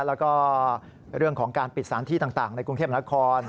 แล้วก็เรื่องของการปิดสถานที่ต่างในกรุงเทพนคร